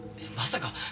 まさか。